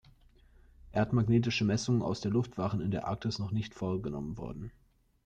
Erdmagnetische Messungen aus der Luft waren in der Arktis noch nicht vorgenommen worden.